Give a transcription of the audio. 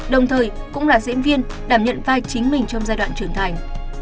đồng thời cũng là diễn viên đảm nhận vai chính mình trong giai đoạn trưởng thành